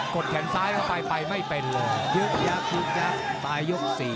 กดแขนซ้ายเข้าไปไปไม่เป็นเลย